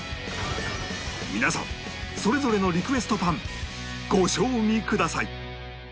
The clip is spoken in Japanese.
皆さんそれぞれのリクエストパンご賞味ください